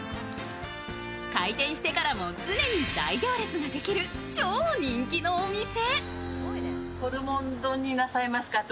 開店してからも常に大行列ができる超人気のお店。